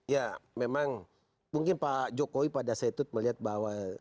ya memang mungkin pak jokowi pada saat itu melihat bahwa